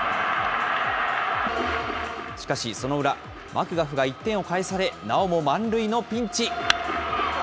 しかし、その裏、マクガフが１点を返され、なおも満塁のピンチ。